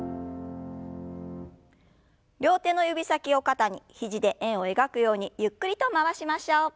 両手の指先を肩に肘で円を描くようにゆっくりと回しましょう。